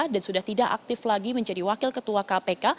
dan sudah tidak aktif lagi menjadi wakil ketua kpk